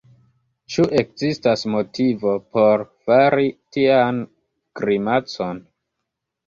Ĉu ekzistas motivo por fari tian grimacon?